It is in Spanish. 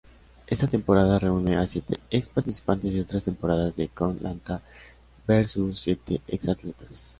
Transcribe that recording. Esta temporada reúne a siete ex-participantes de otras temporadas de Koh-Lanta, versus siete ex-atletas.